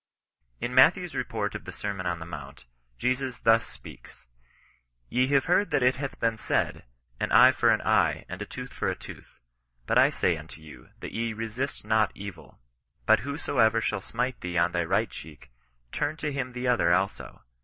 In Matthew's report of the Sermon on the Mount, Jesus thus speaks :—" Te have heard that it hath been said, an eye for an eye, and a tooth for a tooth : but I say unto you, that ye resist not evil ; but whosoever shall smite thee on thy right cheek, turn to him the other also.